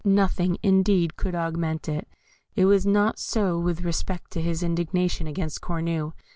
Nothing, indeed, could augment it. It was not so with respect to his indignation against Cornue.